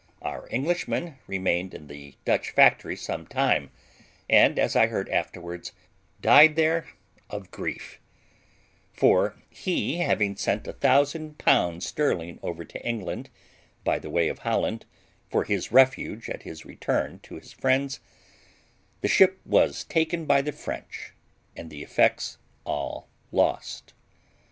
Our Englishman remained in the Dutch factory some time, and, as I heard afterwards, died there of grief; for he having sent a thousand pounds sterling over to England, by the way of Holland, for his refuge at his return to his friends, the ship was taken by the French and the effects all lost.